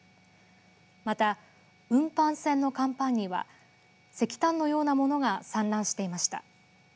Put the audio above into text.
また運搬船の甲板には石炭のようなものが散乱していました。